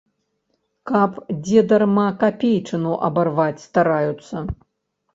Каб дзе дарма капейчыну абарваць стараюцца.